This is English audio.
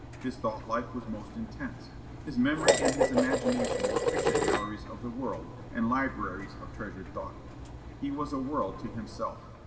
His thought life was most intense. His memory and his imagination were picture galleries of the world and libraries of treasured thought. He was a world to himself.